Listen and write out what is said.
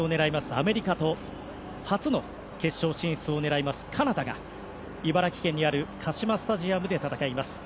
アメリカと初の決勝進出を狙うカナダが茨城県にあるカシマスタジアムで戦います。